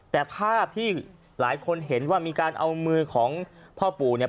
แต่ภาพที่หลายคนเห็นว่ามีการเอามือของพ่อปู่เนี่ย